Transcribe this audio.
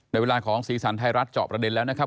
เวลาของสีสันไทยรัฐเจาะประเด็นแล้วนะครับ